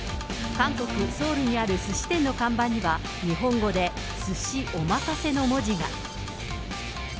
韓国・ソウルにあるすし店の看板には、日本語で、すしおまかせの文字が。